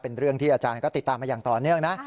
เป็นเรื่องที่อาจารย์ก็ติดตามมาอย่างต่อเนื่องนะ